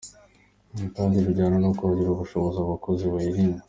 Ibi kandi bijyana no kongerera ubushobozi abakozi bayirinda .